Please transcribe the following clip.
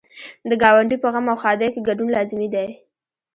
د ګاونډي په غم او ښادۍ کې ګډون لازمي دی.